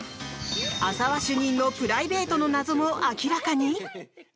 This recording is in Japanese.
浅輪主任のプライベートの謎も明らかに？